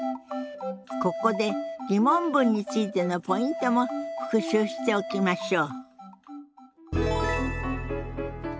ここで疑問文についてのポイントも復習しておきましょう。